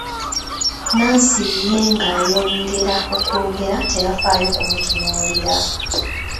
Nansi ye ng'ayongera okwogera teyafaayo kumutunuulira.